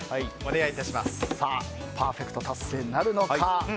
パーフェクト達成なるのか。